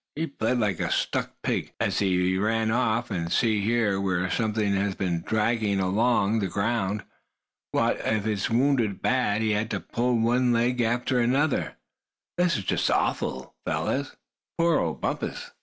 He bled like a stuck pig, as he ran off. And see here, where something's been just dragging along the ground. What if he's wounded so bad he had to pull one leg after him? This is just awful, fellers. Poor old Bumpus!"